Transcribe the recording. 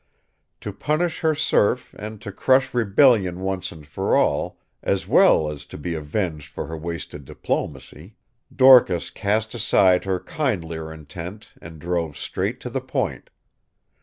To punish her serf and to crush rebellion once and for all, as well as to be avenged for her wasted diplomacy, Dorcas cast aside her kindlier intent and drove straight to the point.